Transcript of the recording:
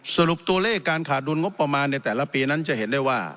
สรุปตัวเลขการขาดดุลงบประมาณในแต่ละปีนั้นจะเห็นได้ว่า